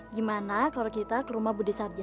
gimana kalo kita ke rumah bu desarjan